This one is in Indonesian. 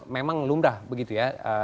memang lumrah begitu ya